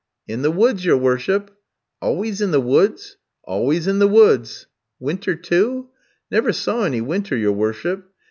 "'In the woods, your worship.' "'Always in the woods?' "'Always in the woods!' "'Winter too?' "'Never saw any winter, your worship.'